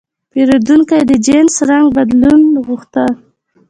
پیرودونکی د جنس رنګ بدلول غوښتل.